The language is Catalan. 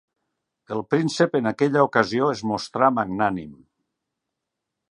El príncep en aquella ocasió es mostrà magnànim.